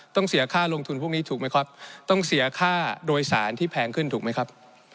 ต้องเสียค่าลงทุนพวกนี้ถูกไหมครับต้องเสียค่าโดยสารที่แพงขึ้นถูกไหมครับ